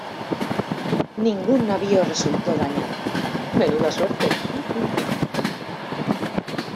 Ningún navío resultó dañado.